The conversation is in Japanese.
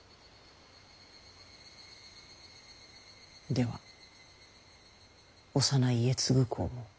では幼い家継公も？